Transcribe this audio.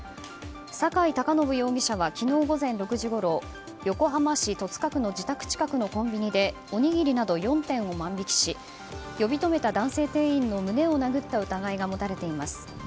酒井崇伸容疑者は昨日午前６時ごろ横浜市戸塚区の自宅近くのコンビニでおにぎりなど４点を万引きし呼び止めた男性店員の胸を殴った疑いが持たれています。